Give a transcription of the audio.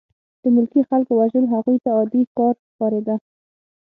د ملکي خلکو وژل هغوی ته عادي کار ښکارېده